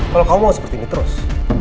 kalau kamu mau seperti ini terus